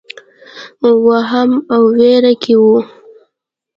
وهم او وېره کې وو.